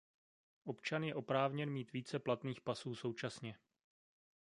Občan je oprávněn mít více platných pasů současně.